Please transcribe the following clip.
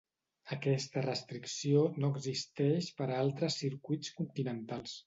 Aquesta restricció no existeix per a altres circuits continentals.